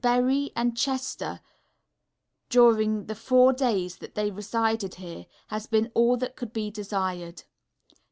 Berry and Chester, during the four days that they resided here, has been all that could be desired.